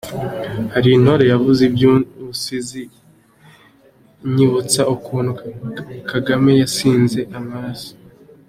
Hari intore yavuze iby’ubusinzi, inyibutsa ukuntu Kagame yasinze amaraso!